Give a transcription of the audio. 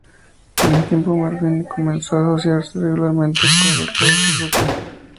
Con el tiempo, Marvin comenzó a asociarse regularmente con Kotaro Suzuki.